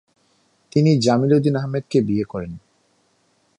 তিনি জামিল উদ্দিন আহমদকে বিয়ে করেন।